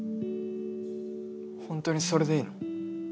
本当にそれでいいの？